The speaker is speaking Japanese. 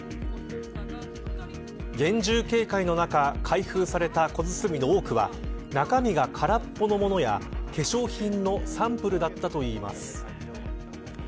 厳重警戒の中開封された小包の多くは中身が空っぽのものや化粧品のサンプルだったといいます。